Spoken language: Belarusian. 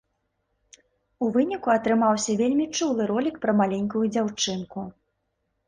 У выніку атрымаўся вельмі чулы ролік пра маленькую дзяўчынку.